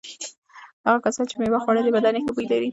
هغو کسانو چې مېوه خوړلي بدن یې ښه بوی لري.